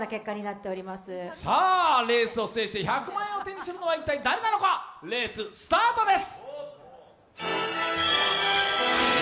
レースを制して１００万円を手にするのは一体誰なのか、レース、スタートです。